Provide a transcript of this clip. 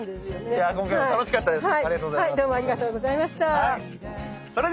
いや今回も楽しかったですね。